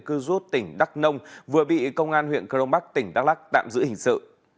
cơ quan công an huyện cơ rốt tỉnh đắc nông vừa bị công an huyện cờ rông bắc tỉnh đắk lắc tạm giữ hình sự